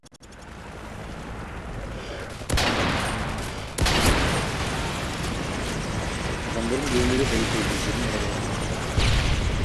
Адамдардын көбүнө эле полиция бөлүмдөрүнө бара берген жакпайт.